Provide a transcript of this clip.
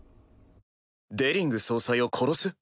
「デリング総裁を殺す」？